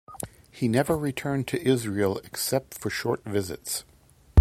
He never returned to Israel except for short visits.